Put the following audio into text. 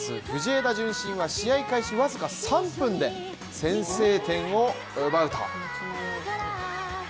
藤枝順心は試合開始わずか３０分で先制点を奪うと。